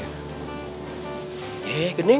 gak ada temennya